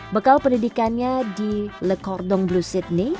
bekal pendidikannya di le cordon bleu sydney